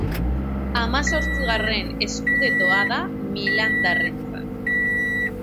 Hamazortzigarren scudettoa da milandarrentzat.